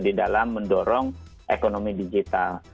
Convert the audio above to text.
di dalam mendorong ekonomi digital